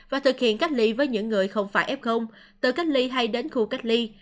và thực hiện cách ly với những người không phải f từ cách ly hay đến khu cách ly